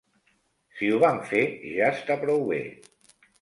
Si ho van fer, ja està prou bé.